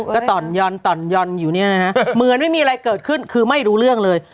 ก็ต่อนยอนต่อนยอนอยู่เนี่ยนะฮะเหมือนไม่มีอะไรเกิดขึ้นคือไม่รู้เรื่องเลย